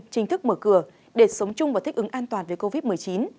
chính thức mở cửa để sống chung và thích ứng an toàn về covid một mươi chín